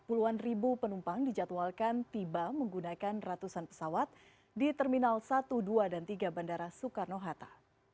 puluhan ribu penumpang dijadwalkan tiba menggunakan ratusan pesawat di terminal satu dua dan tiga bandara soekarno hatta